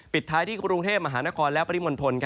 ปิดท้ายที่กรุงเทพมหานครและปริมณฑล